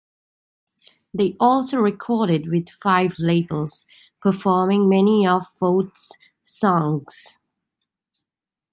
They also recorded with five labels, performing many of Fouts' songs.